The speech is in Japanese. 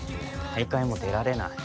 大会も出られない。